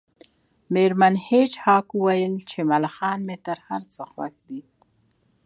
میرمن هیج هاګ وویل چې ملخان مې تر هر څه خوښ دي